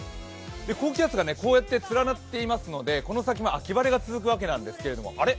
高気圧がこうやって連なっていますので、この先も秋晴れが続くわけなんですけれども、あれ？